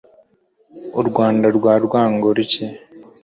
u rwanda rwa rwango-ruke